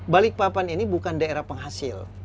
balikpapan ini bukan daerah penghasil